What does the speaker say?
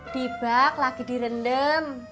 di bak lagi direndem